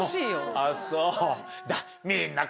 あっそう。